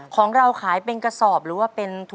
ของเราขายเป็นกระสอบหรือว่าเป็น